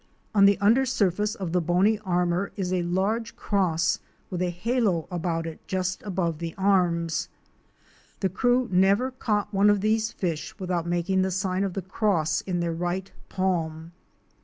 On the under surface of the bony armor is a large cross with a halo about it just above the arms. The crew never caught one of these fish without making the sign of the cross in, their right palm.